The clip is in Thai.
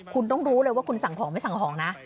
คุณต้องรู้เลยว่าคุณสั่งของไม่สั่งของนะ